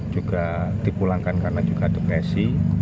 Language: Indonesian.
juga dipulangkan karena juga depresi